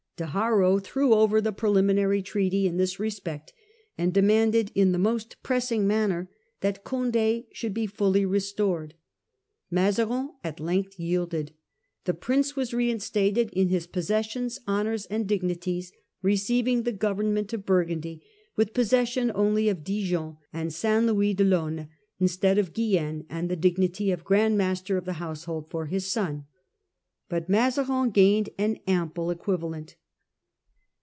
De Haro threw over the preliminary treaty in this respect, and demanded in the most pressing manner that Condd should be fully restored. Mazarin at length yielded. The Prince was reinstated jn his m . h . G 82 Close of the War with Spain. 1659. possessions, honours, and dignities, receiving the govern ment of Burgundy, with possession only of Dijon and St. Jean de Losne, instead of Guienne, and the dignity of Grand Master of the Household for his son. But Mazarin gained an ample equivalent.